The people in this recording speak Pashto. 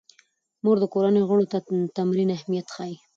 مور د کورنۍ غړو ته د تمرین اهمیت ښيي.